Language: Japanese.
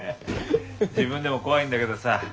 自分でも怖いんだけどさ。